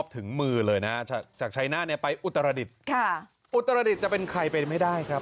ถึงมือเลยนะจากชัยหน้าไปอุตรดิษฐ์อุตรดิษฐ์จะเป็นใครไปไม่ได้ครับ